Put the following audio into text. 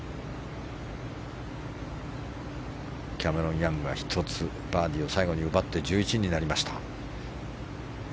キャメロン・ヤングは１つバーディーを最後に奪って１１になりました。